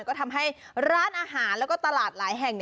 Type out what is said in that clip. ก็ทำให้ร้านอาหารแล้วก็ตลาดหลายแห่ง